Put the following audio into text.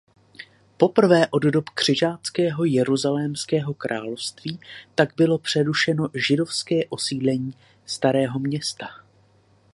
Poprvé od dob křižáckého Jeruzalémského království tak bylo přerušeno židovské osídlení Starého Města.